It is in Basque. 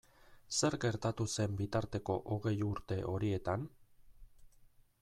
Zer gertatu zen bitarteko hogei urte horietan?